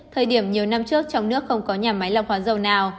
thời điểm nhiều năm trước trong nước không có nhà máy lọc hóa dầu nào